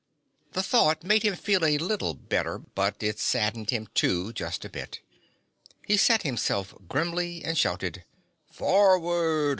The thought made him feel a little better, but it saddened him, too, just a bit. He set himself grimly and shouted: "Forward!"